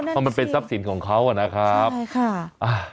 เพราะมันเป็นทรัพย์สินของเขาอ่ะนะครับใช่ค่ะ